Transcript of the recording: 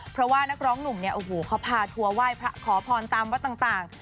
เพราะว่านักร้องหนุ่มเนี่ยโอ้โหเขาพาทัวร์ไหว้พระขอพรตามวัดต่าง